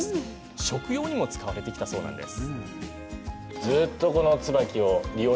食用にも使われてきたそうです。